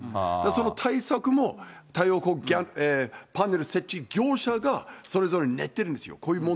その対策も太陽光パネル設置業者がそれぞれ練ってるんですよ。